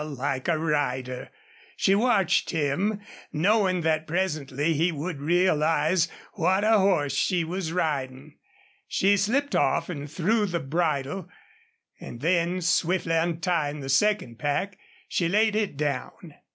How like a rider! She watched him, knowing that presently he would realize what a horse she was riding. She slipped off and threw the bridle, and then, swiftly untying the second pack, she laid it down.